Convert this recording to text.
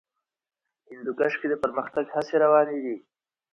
هندوکش کې د پرمختګ هڅې روانې دي.